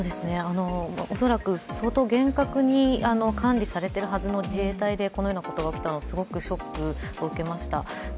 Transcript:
恐らく相当厳格に管理されているはずの自衛隊でこのようなことが起きたのはすごくショックを受けました。